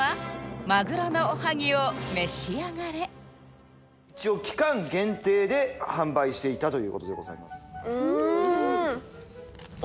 まぐろのおはぎを召し上がれ一応期間限定で販売していたということでございます